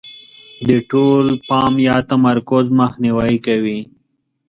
د ټول پام یا تمرکز مخنیوی کوي.